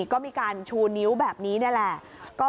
ก็มีการชูนิ้วแบบนี้นี่แหละ